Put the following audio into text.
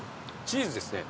チーズですね。